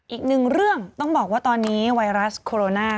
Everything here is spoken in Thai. อีกหนึ่งเรื่องต้องบอกว่าตอนนี้ไวรัสโคโรนา